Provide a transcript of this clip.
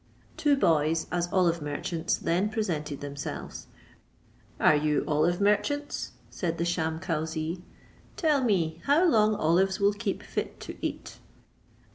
Two boys, as olive merchants, then presented themselves. "Are you olive merchants?" said the sham cauzee. "Tell me how long olives will keep fit to eat."